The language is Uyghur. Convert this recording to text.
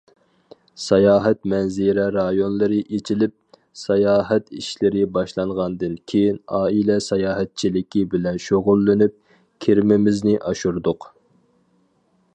ساياھەت مەنزىرە رايونلىرى ئېچىلىپ، ساياھەت ئىشلىرى باشلانغاندىن كېيىن، ئائىلە ساياھەتچىلىكى بىلەن شۇغۇللىنىپ، كىرىمىمىزنى ئاشۇردۇق.